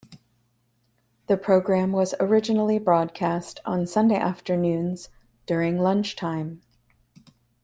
The programme was originally broadcast on Sunday afternoons during lunchtime.